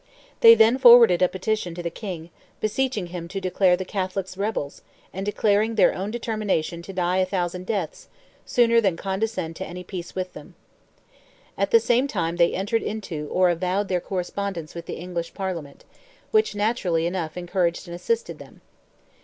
They then forwarded a petition to the King, beseeching him to declare the Catholics "rebels," and declaring their own determination to "die a thousand deaths sooner than condescend to any peace with them." At the same time they entered into or avowed their correspondence with the English Parliament, which naturally enough encouraged and assisted them.